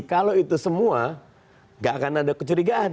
kalau itu semua gak akan ada kecurigaan